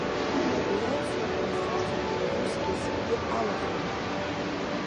Уи аицлабра хаҵагьы ԥҳәысгьы зегьы алахәын.